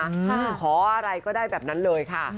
ขออะไรก็ได้แบบนั้นเลยค่ะ